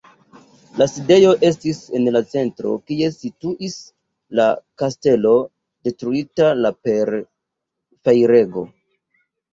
La sidejo estis en la centro, kie situis la kastelo, detruita la per fajrego.